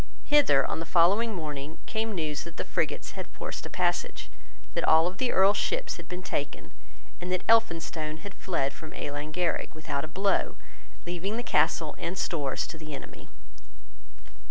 Hither, on the following morning, came news that the frigates had forced a passage, that all the Earl's ships had been taken, and that Elphinstone had fled from Ealan Ghierig without a blow, leaving the castle and stores to the enemy.